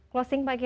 closing pak kiai